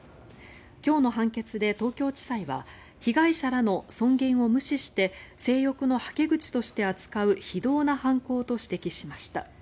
今日の判決で東京地裁は被害者らの尊厳を無視して性欲のはけ口として扱う非道な犯行と指摘しました。